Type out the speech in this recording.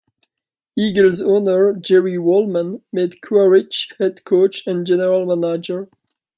Eagles' owner Jerry Wolman made Kuharich head coach and general manager.